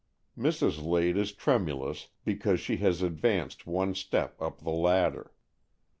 Mrs. Lade is tremulous, because she has advanced one step up the ladder.